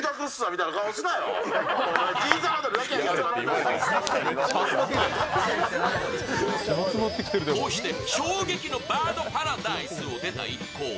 うこうして衝撃のバードパラダイスを出た一行。